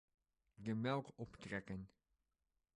De melk optrekken.